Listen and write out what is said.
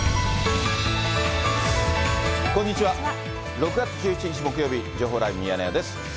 ６月１７日木曜日、情報ライブミヤネ屋です。